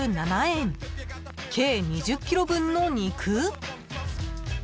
［計２０ｋｇ分の肉？］